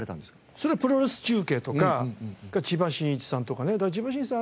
それはプロレス中継とか千葉真一さんとかねだから千葉真一さん